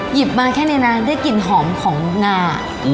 หกิบมาแค่ในน้ำได้กลิ่นหอมของนา